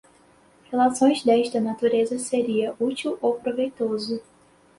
relações desta natureza seria útil ou proveitoso